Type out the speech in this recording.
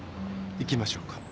行きましょうか。